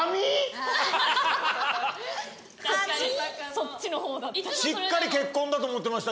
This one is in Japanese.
・そっちの方だった。